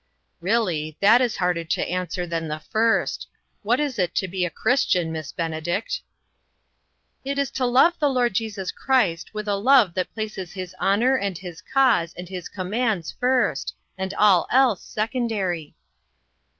" Really, that is harder to answer than the first. What is it to be a Christian, Miss Benedict?" " It is to love the Lord Jesus Christ with a love that places his honor and his cause and his commands first, and all else sec ondary."